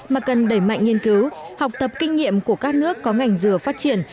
mà cần đẩy mạnh nghiên cứu học tập kinh nghiệm của các nước có ngành dừa phát triển